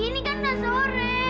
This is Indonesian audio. ini kan sudah sore